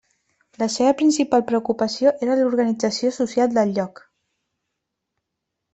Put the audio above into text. La seva principal preocupació era l'organització social del lloc.